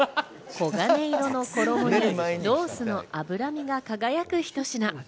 黄金色の衣にロースの脂身が輝くひと品。